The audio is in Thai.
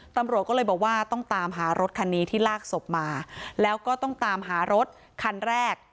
ตำรวจก็เลยบอกว่าต้องตามหารถคันนี้ที่ลากศพมาแล้วก็ต้องตามหารถคันแรก